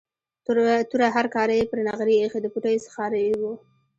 توره هرکاره یې پر نغري ایښې، د پوټیو څښاری و.